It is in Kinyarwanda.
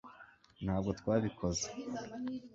ntabwo twabikoze